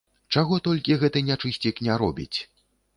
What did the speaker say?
Чаго толькі гэты нячысцік не робіць!